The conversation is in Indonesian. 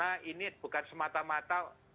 apakah dalam bentuk kepres kita harus mengangkat kepres